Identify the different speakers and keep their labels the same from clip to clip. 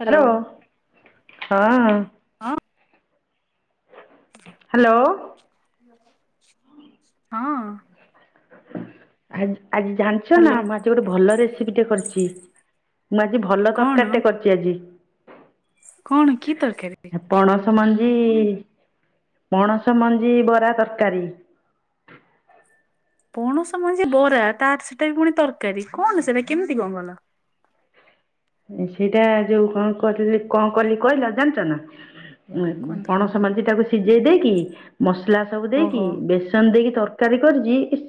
Speaker 1: Hello.
Speaker 2: Hello ହଁ
Speaker 1: ହଁ
Speaker 2: hello
Speaker 1: ହଁ
Speaker 2: ଆ ଆଜି ଜାଣିଛ ନା
Speaker 1: ହ୍ୟାଲୋ
Speaker 2: ମୁଁ ଆଜି ଗୋଟେ ଭଲ ରେସିପି ଟେ କରିଛି ମୁଁ ଆଜି ଭଲ
Speaker 1: କଣ
Speaker 2: ତରକାରୀ ଟେ କରିଛି ଆଜି
Speaker 1: କଣ କି ତରକାରୀ
Speaker 2: ପଣସ ମଞ୍ଜି ପଣସ ମଞ୍ଜି ବରା ତରକାରୀ
Speaker 1: ପଣସ ମଞ୍ଜି ବରା ତାର ସେଟା ପୁଣି ତରକାରୀ କଣ ସେଇଟା କେମିତି କଣ କଲ
Speaker 2: ସେଇଟା ଯୋଉ କଣ କ କଣ କଲି କହିଲା ଜାଣିଛ ନା
Speaker 1: କୁହନ୍ତୁ?
Speaker 2: ପଣସ ମଞ୍ଜି ଟାକୁ ସିଝେଇ ଦେଇକି ମସଲା ସବୁ ଦେଇକି
Speaker 1: ଓହୋ
Speaker 2: ବେସନ ଦେଇକି ତରକାରୀ ର କରିଛି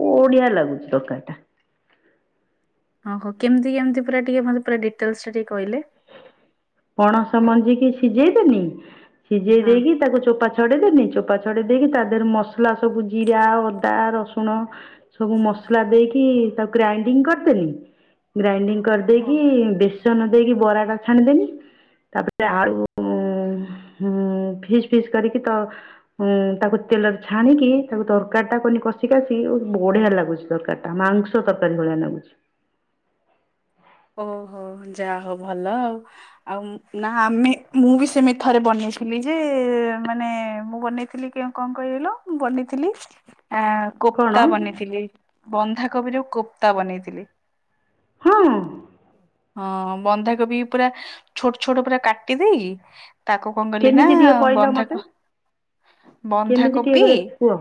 Speaker 2: ବଢିଆ ଲାଗୁଛି ଦରକାରିଟା
Speaker 1: ହ ହୋ କେମତି କେମିତି ପୁରା ଟିକେ ମତେ ପୁରା ଡିଟେଲ୍ସ ଟିକେ କହିିଲେ।
Speaker 2: ପଣସ ମଞ୍ଜିିକି ସିଝେଇଦେନି। ସିଝେଇ
Speaker 1: ହଁ।
Speaker 2: ଦେଇକି ତାକୁ ଚୋପା ଛଡେଇଦେନି ଚୋପା ଛଡେଇ ଦେଇକି ତା ଦେରେ ମସଲା ସବୁ ଜିରା, ଅଦା, ରସୁଣ ସବୁ ମସଲା ଦେଇକି ତାକୁ ଗ୍ରାଇଣ୍ଡିଙ୍ଗ କରିଦେନି। ଗ୍ରାଇଣ୍ଡିଙ୍ଗ କରିଦେଇକି ବେସନ ଦେଇକି ବରା ଟା ଛାଣିଦେନି। ତାପରେ ଆଳୁ ଫିସ୍ ଫିସ୍ କରିକି ତ ହଁ। ତାକୁ ତେଲରେ ଛାଣିକି ତାକୁ ତରକାରୀ ଟା କନି କଷି କାଷିକି ଉ ବଢିଆ ଲାଗୁଛି ତରକାରୀ ମାଂସ ତରକାରୀ ଭଳିଆ ନାଗୁଛି।
Speaker 1: ଓହୋ ଯା ହଉ ଭଲ ଆଉ। ଆଉ ନା ଆମେ ମୁଁ ବି ସେମିତି ଥରେ ବନେଇଥିଲି ଯେ ମାନେ ମୁଁ ବନେଇଥିଲି କଣ କହଲ? ବନେଇଥିଲି। ଆ
Speaker 2: କ'ଣ
Speaker 1: କୋପ୍ତା ବନେଇଥିଲି। ବନ୍ଧାକୋବିରେ କୋପ୍ତା ବନେଇଥିଲି।
Speaker 2: ହଁ।
Speaker 1: ହଁ, ବନ୍ଧାକୋବି ପୁରା ଛୋଟ ଛୋଟ ପୁରା କାଟି ଦେଇକି ତାକୁ କନ୍ କଲି ନା
Speaker 2: କେମିତି ଟିକେ କହିଲ ମୋତେ
Speaker 1: ବନ୍ଧାକୋ
Speaker 2: କେମିତି ଟିକେ
Speaker 1: ବନ୍ଧାକୋପି
Speaker 2: କରି କୁହ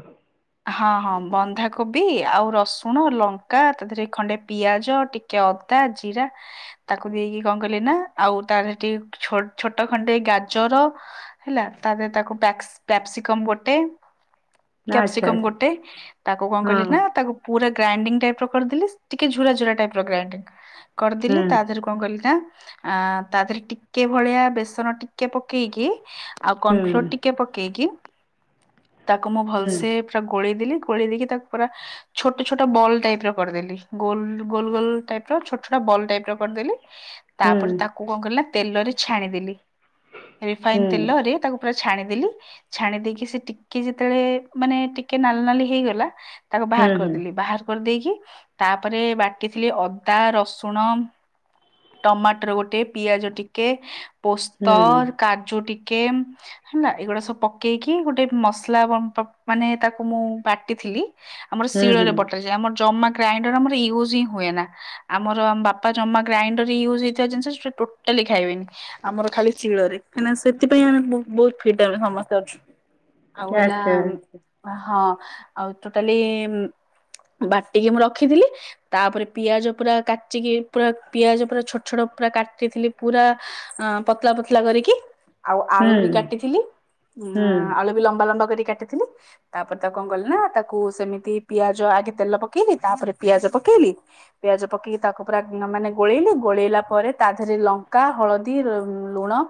Speaker 1: ହଁ, ହଁ, ବନ୍ଧାକୋବି ଆଉ ରସୁଣ, ଲଙ୍କା, ତା ଦେହରେ ଖଣ୍ଡେ ପିଆଜ ଟି ଟିକେ ଅଦା, ଜିରା ତାକୁ ଦେଇକି କଣ କହିଲି ନା ଆଉ ତାର ସେଠି ଛୋଟ ଖଣ୍ଡେ ଗାଜର ହେଲା ତା ଦେହ ତାକୁ ପ୍ୟାପ୍ ପ୍ୟାପସିକମ ଗୋଟେ
Speaker 2: ନା ଆଚ୍ଛା
Speaker 1: କ୍ୟାପସିକମ
Speaker 2: ଆଚ୍ଛା
Speaker 1: ଗୋଟେ ତାକୁ କଣ କଲି
Speaker 2: ହଁ
Speaker 1: ନା ତାକୁ ପୁରା ଗ୍ରାଇଣ୍ଡିଙ୍ଗ ଟାଇପ ର କରିଦେଲି ଟିକେ ଝୁରଝୁରା ଟାଇପ ର ଗ୍ରାଇଣ୍ଡିଙ୍ଗ କରିଦେଲି
Speaker 2: ହୁଁ
Speaker 1: ତା ଦେହ କଣ କଲିି ନା ଆ ତା ଦେହରେ ଟିକେ ଭଳିଆ ବେସନ ଟିକେ ପକେଇକି ଆଉ
Speaker 2: ହୁଁ
Speaker 1: କନଫ୍ଲୋର ଟିକେ ପକେଇକି ତାକୁ ମୁଁ
Speaker 2: ହୁଁ
Speaker 1: ଭଲସେ ପୁରା ଗୋଳେଇଦେଲି ଗୋଳେଇ ଦେଇକି ତାକୁ ପୁରା ଛୋଟ ଛୋଟ ବଲ୍ ଟାଇପ ର କରିଦେଲି ଗୋଲ ଗୋଲ ଗୋଲ ଟାଇପ ର ଛୋ ଟ ବଲ୍ ଟାଇପ ର କରିଦେଲି।
Speaker 2: ହୁଁ
Speaker 1: ତାପରେ ତାକୁ କଣ କଲିନା ତେଲରେ ଛାଣିଦେଲି।
Speaker 2: ହୁଁ
Speaker 1: ରିଫାଇନ
Speaker 2: ହୁଁ
Speaker 1: ତେଲରେ ତାକୁ ପୁରା ଛାଣିଦେଲି ଛାଣି ଦେଇକି ସେ ଟିକେ ଯେତେବେଳେ ମାନେ ଟିକେ ନାଲି ନାଲି ହେଇଗଲା ତାକୁ ବାହାର
Speaker 2: ହୁଁ
Speaker 1: କରିଦେଲି। ବାହାର କରିଦେଇକି ତାପରେ ବାଟିଥିଲି ଅଦା, ରସୁଣ ଟମାଟର ଗୋଟେ ପିଆଜ ଟିକେ ପୋସ୍ତ,
Speaker 2: ହୁଁ
Speaker 1: କାଜୁ ଟିକେ ହେଲା ଏଇଗୁଡା ସବୁ ପକେଇକି ଗୋଟେ ମସଲା ମାନେ ତାକୁ ମୁଁ ବାଟିଥିଲି ଆମର
Speaker 2: ହୁଁ ହୁଁ
Speaker 1: ଶିଳରେ ବଟାଯାଏ। ଆମର ଜମା ଗ୍ରାଇଣ୍ଡର ଆମର ୟୁଜ୍ ହିଁ ହୁଏ ନା। ଆମର ଆମ ବାପା ଜମା ଗ୍ରାଇଣ୍ଡର ୟୁଜ୍ ହେଇଥିବା ଜିନିଷ ସେଟା ଟୋଟାଲି ଖାଇବେନି। ଆମର ଖାଲି ଶିଳରେ କାଁକିନା ସେଥିପାଇଁ ଆମେ ବହୁତ ଫିଟ ଆମେ ସମସ୍ତେ ଅଛୁ। ଆଉ ହେଲା
Speaker 2: ଆଚ୍ଛା
Speaker 1: ହଁ ଆଉ ତୋଟାଲି ବାଟିକି ମୁଁ ରଖିଥିଲି। ତାପରେ ପିଆଜ ପୁରା କାଚିକି ପୁରା ପିଆଜ ପୁରା ଛୋଟ ଛୋଟ ପୁରା କାଟିଥିଲି ପୁରା ପତଲା ପତଲା କରିକି। ଆଉ
Speaker 2: ହୁଁ
Speaker 1: ଆଳୁ ବି କାଟିଥିଲି।
Speaker 2: ହୁଁ
Speaker 1: ଆଳୁ ବି ଲମ୍ବା ଲମ୍ବା କରି କାଟିଥିଲି। ତାପରେ ତାକୁ କଣ କଲି ନା ତାକୁ ସେମିତି ପିଆଜ ଆଗେ ତେଲ ପକେଇଲି, ତାପରେ ପିଆଜ ପକେଇଲି ପିଆଜ ପକେଇକି ତାକୁ ପୁରା ମାନେ ଗୋଳେଇଲି। ଗୋଳେଇଲା ପରେ ତା ଦେହରେ ଲଙ୍କା, ହଳଦୀ, ଲୁଣ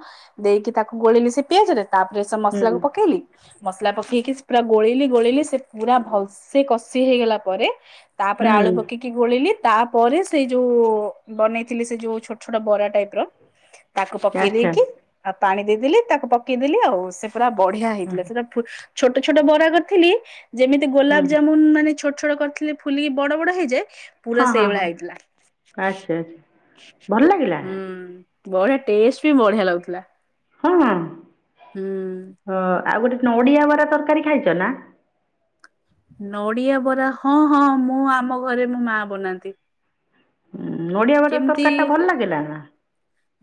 Speaker 1: ଦେଇକି ତାକୁ ଗୋଳିଲି ସେ ପିଆଜରେ ତାପରେ ସେ
Speaker 2: ହୁଁ
Speaker 1: ମସଲାକୁ ପକେଇଲି। ମସଲା ପକେଇକି ପୁରା ଗୋଳେଇିଲି ଗୋଳେଇିଲି ସେ ପୁରା ଭଲସେ କଷି ହେଇଗଲା ପରେ ତାପରେ ଆଳୁ
Speaker 2: ହୁଁ
Speaker 1: ପକେଇକି ଗୋଲେଇଲି ତାପରେ ସେଇ ଯୋଉ ବନେଇଥିଲି ସେ ଯୋଉ ଛୋଟ ଛୋଟ ବରା ଟାଇପ ର ତାକୁ ପକେଇ
Speaker 2: ଆଚ୍ଛା
Speaker 1: ଦେଇକି ଆଉ ପାଣି ଦେଇଦେଲି ତାକୁ ପକେଇଦେଲି ଆଉ ସେ ପୁରା ବଢିଆ
Speaker 2: ହୁଁ
Speaker 1: ହେଇଥିଲା ସେଟା। ଛୋଟ ଛୋଟ ବରା କରିଥିଲି ଯେମିତି ଗୋଲାପ ଜାମୁନ ମାନେ ଛୋ ଛୋଟ କରିଥିଲେ ଫୁଲିକି ବଡ ବଡ ହେଇଯାଏ। ପୁରା
Speaker 2: ହଁ ହଁ
Speaker 1: ସେଇଭଳିଆ
Speaker 2: ହଁ
Speaker 1: ହେଇଥିଲା
Speaker 2: ଆଚ୍ଛା ଆଚ୍ଛା। ଭଲ ଲାଗିଲା
Speaker 1: ହୁଁ ବଢିଆ ଟେଷ୍ଟ ବି ବଢିଆ ଲାଗୁଥିଲା।
Speaker 2: ହଁ
Speaker 1: ହୁଁ
Speaker 2: ହ ଆଉ ଗୋଟେ ନଡିଆ ବରା ତରକାରୀ ଖାଇଚ ନା?
Speaker 1: ନଡିଆ ବରା ହଁ ହଁ ମୁଁ ଆମ ଘରେ ମୋ ମା ବନାନ୍ତି।
Speaker 2: ଉଁ ନଡିଆ ବଟା ତରକାରୀ ଟା
Speaker 1: କେମିତି
Speaker 2: ଭଲ ଲାଗିଲା ନା?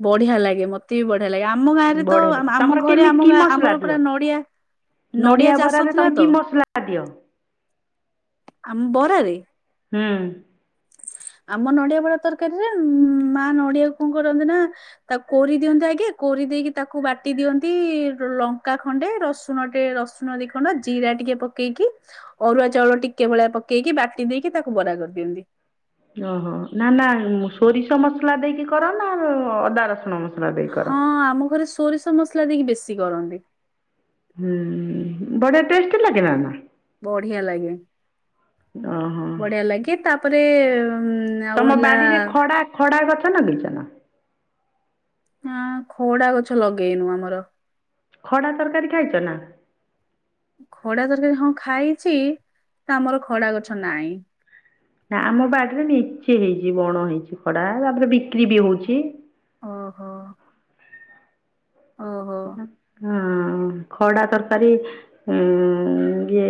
Speaker 1: ବଢିଆ ଲାଗେ ମ ତେ ବି ବଢିଆ ଲାଗେ ଆମ ଗାଁ ରେ ତ
Speaker 2: ବଢ଼ିଆ
Speaker 1: ଆ-ଆମ
Speaker 2: ତମର
Speaker 1: ଘରେ
Speaker 2: କେମିତି
Speaker 1: ଆମ ଗାଁ ଆମର ପୁରା ନଡିଆ।
Speaker 2: ନଡିଆ
Speaker 1: ଚାଷ
Speaker 2: ବରାରେ
Speaker 1: ଥିଲା
Speaker 2: ତମେ
Speaker 1: ତ
Speaker 2: କି ମସଲା ଦିଅ?
Speaker 1: ଆମ ବରାରେ
Speaker 2: ହୁଁ।
Speaker 1: ଆମ ନଡିଆ ବରା ତରକାରୀରେ ଉ ମା ନଡିଆକୁ କଣ କରନ୍ତି ନା ତାକୁ କୋରି ଦିଅନ୍ତି ଆଗେ କୋରି ଦେଇକି ତାକୁ ବାଟି ଦିଅନ୍ତି ଲଙ୍କା ଖଣ୍ଡେ ରସୁଣ ଟେ ରସ୍ ସୁଣ ଦି ଖଣ୍ଡ ଜିରା ଟିକେ ପକେଇକି ଅରୁଆ ଚାଉଳ ଟିକେ ଭଳିଆ ପକେଇକି ବାଟି ଦେଇକି ତାକୁ ବରା କରିଦିଅନ୍ତି।
Speaker 2: ଓ ହୋ ନା ନା ସୋରିଷ ମସଲା ଦେଇକି କର ନା ଅଦା ରସୁଣ ମ
Speaker 1: ହଁ ଆମ ଘରେ ସୋରିଷ ମସଲା ଦେଇକି ବେଶି କରନ୍ତି।
Speaker 2: ହୁଁ ବଢିଆ ଟେଷ୍ଟ ଲାଗିଲା ନା?
Speaker 1: ବଢିଆ ଲାଗେ
Speaker 2: ଓହୋ।
Speaker 1: ବଢିଆ ଲାଗେ ତାପରେ ଊ
Speaker 2: ତମ ବାଡିରେ ଖଡା ଖଡା ଗଛ ନଗେଇଚ ନା?
Speaker 1: ଆଁ ଖଡା ଗଛ ଲଗେଇନୁ ଆମର।
Speaker 2: ଖଡା ତରକାରୀ ଖାଇଚ ନା?
Speaker 1: ଖଡା ତରକାରୀ ହଁ ଖାଇଚି ଆମର ଖଡା ଗଛ ନାଇଁ।
Speaker 2: ନା ଆମ ବାଡିରେ ନିଚେ ହେଇଚି ବଣ ହେଇଚି ଖଡା ତାପରେ ବିକ୍ରି ବି ହଉଚି।
Speaker 1: ଅ ହୋ। ଓ ହୋ।
Speaker 2: ହଁ ଖଡା ତରକାରୀ ଉଁ ଇଏ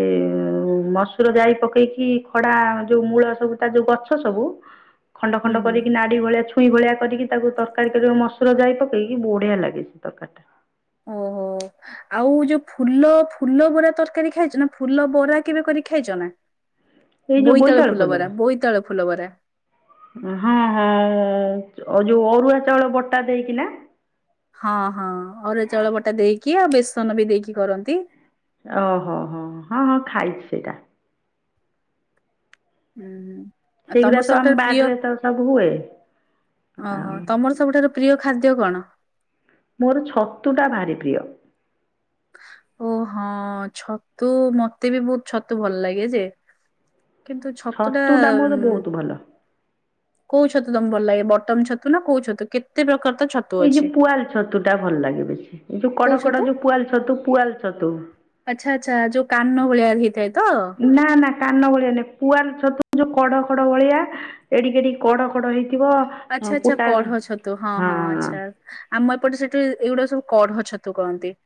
Speaker 2: ମସୁର ଜାଇ ପକେଇକି ଖଡା ଯୋଉ ମୂଳ ସବୁ ତା ଯୋଉ ଗଛ ସବୁ
Speaker 1: [inaudible]
Speaker 2: ଖଣ୍ଡ ଖଣ୍ଡ
Speaker 1: ହୁଁ
Speaker 2: କରିକି ନା ଡି ଭଳିଆ ଛୁଇଁ ଭଳିଆ କରିକି ତାକୁ ତରକାରୀ କରିଦବ ମସୁର ଜାଇ ପକେଇକି ବଢିଆ ଲାଗେ ସେ ତରକାରୀ ଟା।
Speaker 1: ଓ ହୋ। ଆଉ ଯୋଉ ଫୁଲ ଫୁଲ ବରା ତରକାରୀ ଖାଇଚ ନା ଫୁଲ ବରା କେବେ କରି ଖାଇଚ ନା? ବୋଇତାଳୁ ଫୁଲ ବରା ବୋଇତାଳୁ ଫୁଲ ବରା।
Speaker 2: ହଁ ହଁ ହଁ ଯୋ-ଯୋଉ ଅରୁଆ ଚାଉଳ ବଟା ଦେଇକି ନା?
Speaker 1: ହଁ ହଁ ଅରୁଆ ଚାଉଳ ବଟା ଦେଇକି ଆଉ ବେସନ ବି ଦେଇକି କରନ୍ତି।
Speaker 2: ଅ ହ ହ ହଁ ହଁ ଖାଇଚି ସେଇଟା।
Speaker 1: ହୁଁ ହୁଁ ଆଉ
Speaker 2: ସେଇଗୁଡ଼ା
Speaker 1: ତମର
Speaker 2: ସବୁ ଆମ
Speaker 1: ସବୁଠାରୁ ପ୍ରିୟ ଅ
Speaker 2: ବାଡ଼ିରେ ତ ସବୁ ହୁଏ ଆଉ
Speaker 1: ହ ତମର ସବୁଠାରୁ ପ୍ରିୟ ଖାଦ୍ୟ କଣ?
Speaker 2: ମୋର ଛତୁ ଟା ଭାରି ପ୍ରିୟ।
Speaker 1: ଓ ହଁ ଛତୁ ମତେ ବି ବହୁତ ଛତୁ ଭଲ ଲାଗେ ଯେ। କିନ୍ତୁ ଛତୁ ଟା
Speaker 2: ଛତୁଟା ମୋର
Speaker 1: ଉ
Speaker 2: ବହୁତ ଭଲ
Speaker 1: କୋଉ ଛତୁ ତମକୁ ଭଲ ଲାଗେ ବଟମ ଛତୁ ନା କୋଉ ଛତୁ କେତେ ପ୍ରକାର ତ ଛତୁ
Speaker 2: ଏଇ
Speaker 1: ଅଛି
Speaker 2: ଯୋଉ ପୁଆଲ ଛତୁ ଟା ଭଲ ଲାଗେ ବେଶୀ ଏଇ ଯୋଉ
Speaker 1: କୋଉ
Speaker 2: କଢ କଢ
Speaker 1: ଛତୁ?
Speaker 2: ଯୋଉ ପୁଆଲ ଛତୁ ପୁଆଲ ଛତୁ।
Speaker 1: ଆଚ୍ଛା ଆଚ୍ଛା ଯୋଉ କାନ ଭଳିଆ ହେଇଥାଏ ତ?
Speaker 2: ନା ନା କାନ ଭଳିଆ ନାଇଁ ପୁଆର ଛତୁ ଯୋଉ କଢ କଢ ଭଳିଆ? ଏଡ଼ିକି ଏଡିକି କଢ କଢ ହେଇଥିବ
Speaker 1: ଆଚ୍ଛା ଆଚ୍ଛା
Speaker 2: କୁଟା
Speaker 1: କଢ ଛତୁ ହଁ ହଁ ଆଛା। ଆମ ଏପଟେ ସେଠି ଏଇଗୁଡା ସବୁ କଢ ଛତୁ କହନ୍ତି।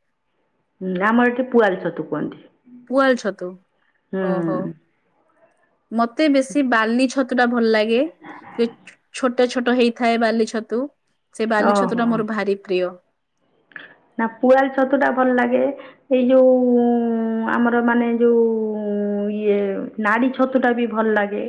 Speaker 2: ନା ଆମର ଏଠି ପୁଆଲ ଛତୁ କୁହନ୍ତି।
Speaker 1: ପୁଆଲ ଛତୁ ଓହୋ।
Speaker 2: ହୁଁ
Speaker 1: ମତେ ବେଶୀ ବାଲି ଛତୁ ଟା ଭଲ ଲାଗେ ଏ ଛୋଟ ଛୋଟେ ଛୋଟ ହେଇଥାଏ ବାଲି ଛତୁ ସେ ବାଲି ଛତୁ
Speaker 2: ଓହୋ
Speaker 1: ଟା ମୋର ଭାରି ପ୍ରିୟ।
Speaker 2: ନା ପୁଆଳ ଛତୁ ଟା ଭଲ ଲାଗେ ଏଇ ଯୋଉ ଆମର ମାନେ ଯୋଉ ଇଏ ନାଡି ଛତୁ ଟା ବି ଭଲ ଲାଗେ।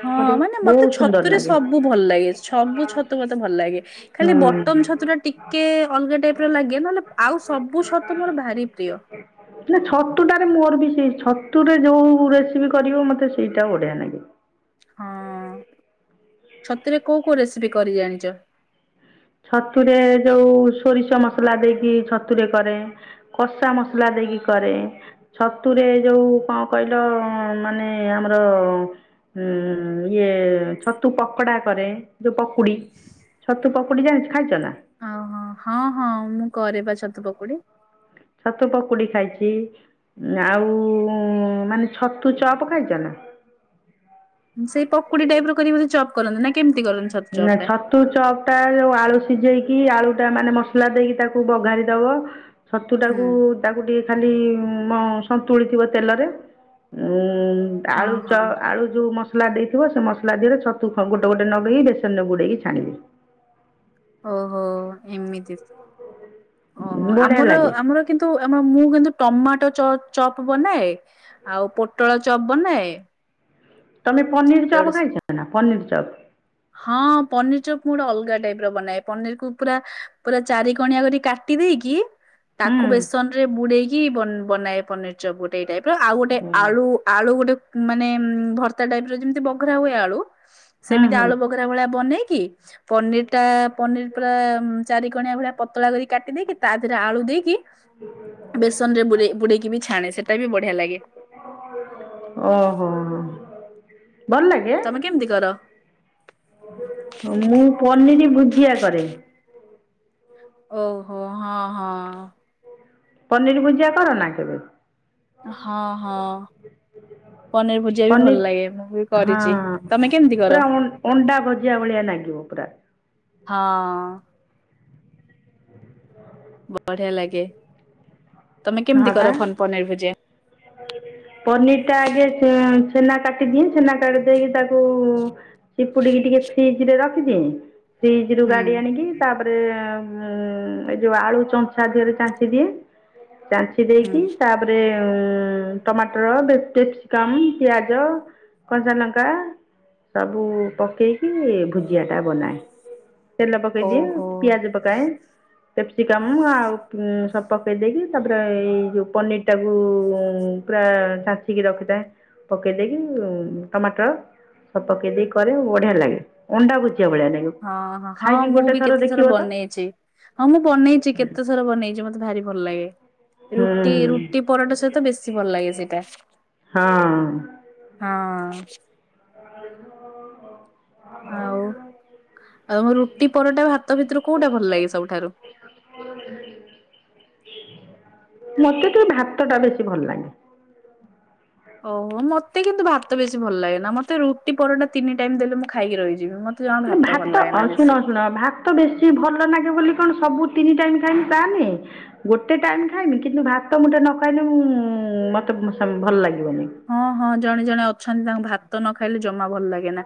Speaker 1: ହଁ ମାନେ
Speaker 2: ବହୁତ
Speaker 1: ମତେ
Speaker 2: ସୁନ୍ଦର
Speaker 1: ଛତୁରେ
Speaker 2: ଲାଗେ
Speaker 1: ସବୁ ଭଲ ଲାଗେ ସବୁ ଛତୁ ମତେ ଭଲ ଲାଗେ। ଖାଲି ବଟମ
Speaker 2: ହୁଁ।
Speaker 1: ଛତୁ ଟା ଟିକେ ଅଲଗା ଟାଇପ୍ ର ଲାଗେ ନହେଲେ ଆଉ ସବୁ ଛତୁ ମୋର ଭାରି ପ୍ରିୟ।
Speaker 2: ନା ଛତୁଟାରେ ମୋର ବି ସେଇ ଛତୁରେ ଯୋଉ ରେସିପି କରିବ ମତେ ସେଇଟା ବଢିଆ ନାଗେ।
Speaker 1: ହଁ ଛତୁ ରେ କୋଉ କୋଉ ରେସିପି କରି ଜାଣିଚ?
Speaker 2: ଛତୁରେ ଯୋଉ ସୋରିଷ ମସଲା ଦେଇକି ଛତୁରେ କରେ। କଷା ମସଲା ଦେଇକି କରେ। ଛତୁରେ ଯୋଉ କଣ କହିଲ ମାନେ ଆମର ଉଁ ଇଏ ଛତୁ ପକଡା କରେ ଯୋଉ ପକୁଡି ଛତୁ ପକ ଡି ଯାଣ ଖାଇଚ ନା?
Speaker 1: ଓହୋ ହଁ ହଁ ମୁଁ କରେ ବା ଛତୁ ପକୁଡି।
Speaker 2: ଛତୁ ପକୁଡ଼ି ଖାଇଚି ଆଉ ଉଁ ମାନେ ଛତୁ ଚପ୍ ଖାଇଚ ନା?
Speaker 1: ସେ ପକୁଡି ଟାଇପ ର କରିକ ବୋଧେ ଚପ୍ କରନ୍ତି ନା କେମିତି କରନ୍ତି ଛତୁ ଚପ୍ ଟା?
Speaker 2: ତୁ ଚପ ଟା ଯୋଉ ଆଳୁ ସିଝେଇକି ଆଳୁ ଟା ମାନେ ମସଲା ଦେଇକି ତାକୁ ବଘାରିଦବ ଛତୁ
Speaker 1: ହୁଁ
Speaker 2: ଟାକୁ ତାକୁ ଟିକେ ଖାଲି ମ ସନ୍ତୁଳି ଥିବ ତେଲରେ ଉମ୍
Speaker 1: ହଁ
Speaker 2: ଆଳୁ ଚ
Speaker 1: ହଁ
Speaker 2: ଆଳୁ ଯୋଉ ମସଲା ଦେଇଥିବ ସେ ମସଲା ଦେହରେ ଛତୁ ଖ ଗୋଟେ ଗୋଟେ ନଗେଇକି ଦେ ତେଲରେ ବୁଡେଇକି ଛାଣିବେ।
Speaker 1: ଓହୋ ଏମିତି ଓହୋ
Speaker 2: ବଢ଼ିଆ
Speaker 1: ଆମର
Speaker 2: ଲାଗେ
Speaker 1: ଆମର କିନ୍ତୁ ଆମ ମୁଁ କିନ୍ତୁ ଟମାଟୋ ଚ ଚପ୍ ବନାଏ ଆଉ ପୋଟଳ ଚବ୍ ବନାଏ।
Speaker 2: ତମେ ପନିର
Speaker 1: ଏଗୁଡା
Speaker 2: ଚପ୍
Speaker 1: ସବୁ।
Speaker 2: ଖାଇଚ ନା ପନିର ଚପ୍।
Speaker 1: ହଁ ପନିର ଚୋପ୍ ମୁଁ ଗୋଟେ ଅଲଗା ଟାଇପ ର ବନାଏ ପନିର କୁ ପୁରା ପୁରା ଚାରି କଣିଆ କରି କା ଟି ଦେଇକି ତାକୁ
Speaker 2: ହୁଁ
Speaker 1: ବେସନ ରେ ବୁଡେଇକି ବ ବନାଏ ପନିର ଚପ୍ ଗୋଟେ ଏ ଟାଇପ୍ ର ଆଉ ଗୋଟେ ଆଳୁ ଆଳୁ ଗୋଟେ ମାନେ ଭର୍ତା ଟାଇପ୍ ର ଯେମିତି ବଘରା ହୁଏ ଆଳୁ
Speaker 2: ହୁଁ
Speaker 1: ସେମତି
Speaker 2: ହୁଁ
Speaker 1: ଆଳୁ ବଘରା ଭଳିଆ ବନେଇକି ପନିର ଟା ପନିର ପୁରା ଚାରି କଣିଆ ଭଳିଆ ପତଳା କରି କାଟି ଦେଇକି ତା ଦେହରେ ଆଳୁ ଦେଇକି ବେସନ ରେ ବୁରେ ବୁଡେଇକି ବି ଛାଣେ ସେଇଟା ବି ବଢିଆ ଲାଗେ।
Speaker 2: ଓହୋ ଭଲ ଲାଗେ
Speaker 1: ତମେ କେମିତି କର?
Speaker 2: ମୁଁ ପନିରି ଭୁଜିଆ କରେ।
Speaker 1: ଓହୋ ହଁ ହଁ।
Speaker 2: ପନିରି ଭୁଜିଆ କର ନା କେବେ?
Speaker 1: ହଁ ହଁ। ପନିର ଭୁଜିଆ ବି ଭଲ ଲାଗେ ମୁଁ ବି
Speaker 2: ପନିର ହଁ
Speaker 1: କରିଛି ତମେ କେମିତି କର?
Speaker 2: ପୁରା ଅଂ-ଅଣ୍ଡା ଭୁଜିଆ ଭଳିଆ ଲାଗେ। ଝୁମ୍ପରା
Speaker 1: ହଁ। ବଢିଆ ଲାଗେ। ତମେ
Speaker 2: ହଁ
Speaker 1: କେମିତି
Speaker 2: ବା
Speaker 1: କର ଫନ୍ ପନିର ଭୁଜିଆ?
Speaker 2: [unintelligible] ପନିର ଟା ଆଗେ ଚୁ-ଚୁନା କାଟିଦିଏ ଚୁନା କାଟି ଦେଇକି ତାକୁ ଚିପୁଡିକି ଟିକେ ଫ୍ରିଜରେ ରଖିଦିଏଁ। ଫ୍ରିଜରୁ
Speaker 1: ହୁଁ
Speaker 2: କାଢି ଆଣିକି ତାପରେ ଉଁ ଏ ଯୋଉ ଆଳୁ ଚଞ୍ଚା ଦେହରେ ଚାଞ୍ଚି ଦିଏ। ଚାଞ୍ଚି
Speaker 1: ହୁଁ
Speaker 2: ଦେଇକି ତାପରେ ଉଁ ଉଁ ଟମାଟର [unintelligible] କ୍ୟାପ୍ସିକମ୍ ପିଆଜ କଞ୍ଚାଲଙ୍କା ସବୁ ପକେଇକି ଭୁଜିଆ ଟା ବନାଏ। ତେଲ ପକେଇଦିଏ
Speaker 1: ଓହୋ
Speaker 2: ପିଆଜ ପକାଏ କ୍ୟାପ୍ସିକମ୍ ଆଉ ଉଁ ସବୁ ପକେଇ ଦେଇକି ତାପରେ ଏଇ ଯୋଉ ପନିର ଟାକୁ ଉଁ ଉଁ ପୁରା ଚାଞ୍ଚିକି ରଖିଥାଏ। ପକେଇ ଦେଇକି ଉଁ ଟମାଟର ସବୁ ପକେଇ ଦେଇ କରେ ବଢିଆ ଲାଗେ। ‌ ଅଣ୍ଡା ଭୁଜିିଆ ଭଳିଆ ନାଗିବ।
Speaker 1: ହଁ ହଁ ହଁ ମୁଁ ବି କେତେ ଥର ବନେଇଚି। ହଁ ମୁଁ ବନେଇଚି କେତେଥର ବନେଇଚି ମତେ ଭାରି ଭଲ ଲାଗେ। ରୁଟି
Speaker 2: ହଁ
Speaker 1: ରୁଟି ପରଟା ସହିତ ବେଶୀ ଭଲ ଲାଗେ ସେଇଟା।
Speaker 2: ହଁ।
Speaker 1: ହଁ।
Speaker 2: [unintelligible]
Speaker 1: ଆଉ ଆଉ ମୁଁ ରୁଟି ପରଟା ହାତ ଭିତରୁ କୋଉଟା ଭଲ ଲାଗେ ସବୁଠାରୁ?
Speaker 2: ମତେ ତ ଭାତଟା ବେଶୀ ଭଲ ଲାଗେ।
Speaker 1: ଓହୋ ମତେ କିନ୍ତୁ ଭାତ ବେଶୀ ଭଲ ଲାଗେନା। ମତେ ରୁଟି ପରଟା ତିନି ଟାଇମ୍ ଦେଲେ ମୁଁ ଖାଇକି ରହିଯିବି। ଜମା
Speaker 2: ଉଁ
Speaker 1: ଭଲ
Speaker 2: ଭାତ
Speaker 1: ଲାଗେ
Speaker 2: ଅ
Speaker 1: ନା
Speaker 2: ଶୁଣ
Speaker 1: ବେଶୀ।
Speaker 2: ଶୁଣ ଭା ତ ବେଶୀ ଭଲ ନାଗେ ବୋଲି କଣ ସବୁ ତିନି ଟାଇମ୍ ଖାଇମି ତା ନୁହେଁ। ଗୋଟେ ଟାଇମ୍ ଖାଇମି କିନ୍ତୁ ଭାତ ମୁଠେ ନଖାଇନେ ମୁଁ ମତେ ସେ ଭଲ ଲାଗିବନି।
Speaker 1: ହଁ ହଁ ଜଣେ ଜଣେ ଅଛନ୍ତି ତାଙ୍କୁ ଭାତ ନଖାଇଲେ ଜମା ଭଲ ଲାଗେନା।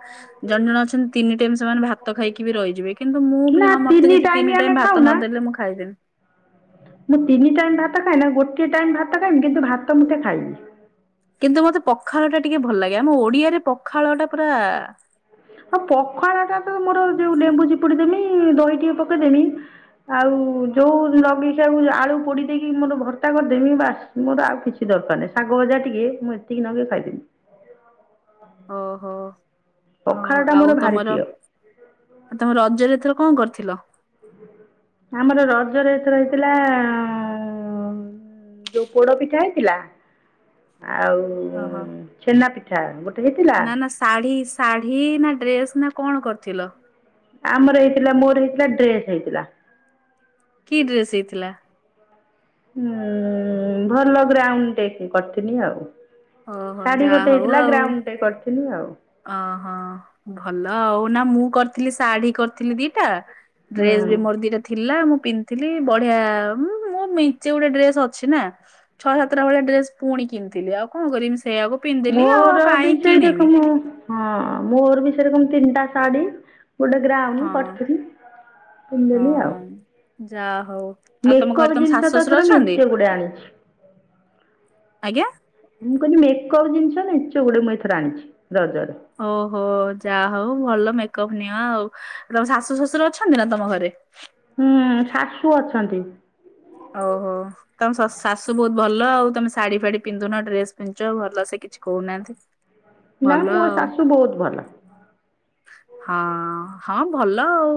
Speaker 1: ଜଣେ ଜଣେ ଅଛନ୍ତି ତିନି ଟାଇମ୍ ସେମାନେ ଭାତ ଖାଇକି ବି ରହିଯିବେ କିନ୍ତୁ ମୁଁ
Speaker 2: ନା
Speaker 1: ବି ମୋତେ ଯଦି ତିନି
Speaker 2: ଆମେ
Speaker 1: ଟାଇମ୍ ଭାତ
Speaker 2: ଖାଉନା
Speaker 1: ନଦେଲେ ମୁଁ ଖାଇଦେବି।
Speaker 2: ମୁଁ ତିନି ଟାଇମ୍ ଭାତ ଖାଏନା ଗୋଟିଏ ଟାଇମ୍ ଭାତ ଖାଇମି କିନ୍ତୁ ଭାତ ମୁଳଠେ ଖାଇମି।
Speaker 1: କିନ୍ତୁ ମତେ ପଖାଳଟା ଟିକେ ଭଲ ଲାଗେ। ଆମ ଓଡିଆରେ ପଖାଳଟା ପୁରା
Speaker 2: ହଁ ପଖାଳଟା ତ ମୋର ଯୋଉ ଲେମ୍ବୁ ଚିପୁଡି ଦେମି ଦହି ଟିକେ ପକେଇଦେମି ଆଉ ଯୋଉ ଲଗେଇ ଖିଆକୁ ଆଳୁ ପୋଡି ଦେଇକି ମୋର ଭର୍ତା କରିଦେମି ବାସ୍ ମୋର ଆଉ କିଛି ଦରକାର ନାଇଁ ଶାଗ ଭଜା ଟିକେ ମୁଁ ଏତିକି ନଗେଇ ଖାଇଦେବି।
Speaker 1: ଓହୋ ହୋଉ
Speaker 2: ପଖାଳଟା
Speaker 1: ଆଉ
Speaker 2: ମୋର ଭାରି
Speaker 1: ତମର
Speaker 2: ପ୍ରିୟ
Speaker 1: ଆଉ ତମେ ରଜରେ ଏଥର କଣ କରିଥିଲ?
Speaker 2: [inaudible] ଆମର ରଜରେ ଏଥର ହେହିଥିଲା ଆଁ ଓଁ। ଉଁ ଯୋଉ ପୋଡ ପିଠା ହେଇଥିଲା ଆଉ
Speaker 1: ଓ ହଁ।
Speaker 2: ଛେନା ପିଠା ଗୋଟେ ହେଇଥିଲା।
Speaker 1: ଶାଢୀ ଶାଢୀ ନା ଡ୍ରେସ ନା କଣ କରିଥିଲ?
Speaker 2: ଆମର ହେଇଥିଲା ମୋର ହେଇଥିଲା ଡ୍ରେସ ହେଇଥିଲା।
Speaker 1: କି ଡ୍ରେସ ହେଇଥିଲା?
Speaker 2: ହୁଁ ଭଲ ଗ୍ରାଉଣ୍ଡ ଟେ କରିଥିନି ଆଉ।
Speaker 1: ଓହୋ
Speaker 2: ଶାଢୀ
Speaker 1: ଯାହା
Speaker 2: ଗୋଟେ ହେଇଥିଲା ଗ୍ରାଉଣ୍ଡ ଟେ କରିଥିନି ଆଉ।
Speaker 1: ଓହ ଭଲ ଆଉ ନା ମୁଁ କରିଥିଲି ଶାଢୀ କରିଥିଲି ଦିଟା ଡ୍ରେସ ବି
Speaker 2: ହୁଁ
Speaker 1: ମୋର ଦିଟା ଥିଲା ମୁଁ ପିନ୍ଥିଲି ବଢିଆ ମୁଁ ମେଚେ ଗୋଟେ ଡ୍ରେସ ଅଛି ନା। ଛଅ ସାତଟ ଭଳିଆ ଡ୍ରେସ ପୁଣି କିଣିଥିଲି ଆଉ କରିବି ସି ସେଇକୁ ପି
Speaker 2: ମୋର ବି ସେଇରକମ ହଁ ମୋର ବି ସେଇରକମ ତିନିଟା ଶାଢୀ। ଗୋଟେ ଗ୍ରାଉ
Speaker 1: ହଁ
Speaker 2: କରିଥିଲି ପିଦେନି ଆଉ।
Speaker 1: ଯା ହଉ। ଆଉ ତମ ଘରେ
Speaker 2: ମେକଅପ୍
Speaker 1: ତମ
Speaker 2: ଜିନିଷ
Speaker 1: ଶାଶୁ
Speaker 2: ତ
Speaker 1: ଶ୍ୱଶୁର
Speaker 2: ଏଥର
Speaker 1: ଅଛନ୍ତି
Speaker 2: ମେଚେ ଗୁଡେ ଆଣିଛି।
Speaker 1: ଆଜ୍ଞା
Speaker 2: ମୁଁ କହିନି ମେକଅପ୍ ଜିନିଷ ମେଚେ ଗୁଡେ ମୁଁ ଏଥର ଆଣିଛି ରଜରେ।
Speaker 1: ଓହୋ ଯା ହଉ ଭଲ ମେକଅପ ନିଅ ଆଉ ତମ ଶାଶୁ ଶଶୁର ଅଛନ୍ତି ନା ତମ ଘରେ?
Speaker 2: ହୁଁ ଶାଶୁ ଅଛନ୍ତି।
Speaker 1: ଓ ହୋ। ତମ ଶ୍ ଶାଶୁ ବହୁତ ଭଲ ଆଉ ତମେ ଶାଢୀ ଫାଢୀ ପିନ୍ଧୁନ ଡ୍ରେସ ପିଞ୍ଚ ଭଲ ସେ କିଛି କହୁନାହାନ୍ତି।
Speaker 2: ନା
Speaker 1: ଭଲ
Speaker 2: ମୋ
Speaker 1: ଆଉ
Speaker 2: ଶାଶୁ ବହୁତ ଭଲ।
Speaker 1: ହଁ ହଁ ଭଲ ଉ।